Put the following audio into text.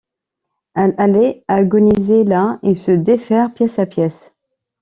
Elle allait agoniser là et se défaire pièce à pièce.